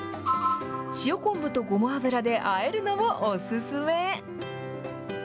塩昆布とごま油であえるのもお勧め。